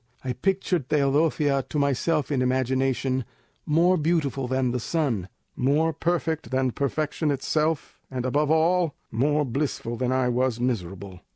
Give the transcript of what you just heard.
I pictured Teodosia to myself in imagination, more beautiful than the sun, more perfect than perfection itself, and above all, more blissful than I was miserable.